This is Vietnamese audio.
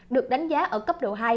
được đánh giá ở cấp độ hai